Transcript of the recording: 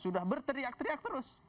sudah berteriak teriak terus